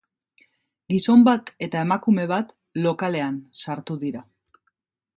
Gizon bat eta emakume bat lokalean sartu dira.